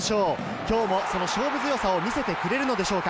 今日も勝負強さを見せてくれるのでしょうか。